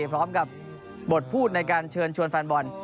พร้อมกับบทพูดในการเชิญชวนแฟนบอล